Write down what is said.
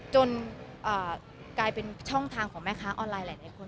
จนกลายเป็นช่องทางของแม่ค้าออนไลน์หลายคน